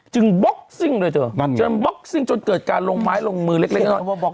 บล็อกซิ่งเลยเธอจนบล็อกซิ่งจนเกิดการลงไม้ลงมือเล็กน้อย